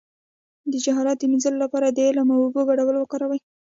د جهالت د مینځلو لپاره د علم او اوبو ګډول وکاروئ